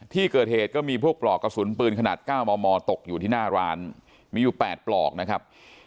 ที่เกิดเหตุก็มีพวกปลอกกระสุนปืนขนาด๙มมตกอยู่ที่หน้าร้านมีอยู่๘ปลอกนะครับ